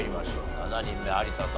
７人目有田さん